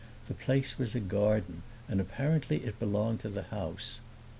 The place was a garden, and apparently it belonged to the house.